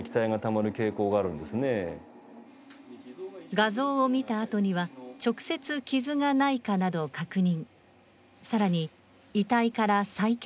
画像を見た後には直接傷がないかなどを確認。